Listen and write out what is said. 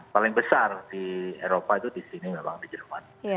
paling besar di eropa itu di sini memang di jerman